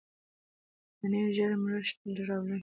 پنېر ژر مړښت راولي.